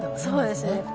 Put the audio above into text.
そうですね。